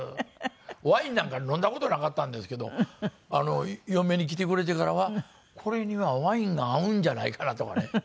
ワインなんか飲んだ事なかったんですけど嫁に来てくれてからはこれにはワインが合うんじゃないかなとかね。